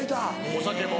お酒も。